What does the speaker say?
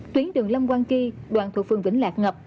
tuyến đường lâm quang kỳ đoạn thuộc phường vĩnh lạc ngập